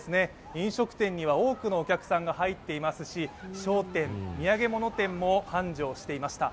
飲食店には多くのお客さんが入っていますし、商店、土産物店も繁盛していました。